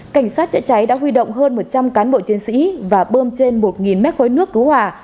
cảnh sát chữa cháy đã huy động hơn một trăm linh cán bộ chiến sĩ và bơm trên một mét khối nước cứu hỏa